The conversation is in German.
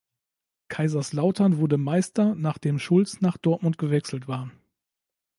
Kaiserslautern wurde Meister, nachdem Schulz nach Dortmund gewechselt war.